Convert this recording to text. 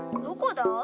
どこだ？